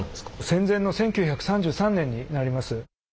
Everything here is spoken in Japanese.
戦前の１９３３年になります。